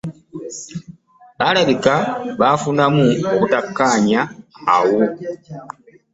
Balabika baafunamu obutakkaanya awo.